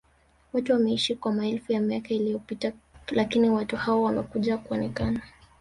watu wameishi kwa maelfu ya miaka iliyopita lakini watu hao wamekuja kuonekana